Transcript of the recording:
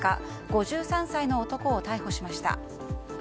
５３歳の男を逮捕しました。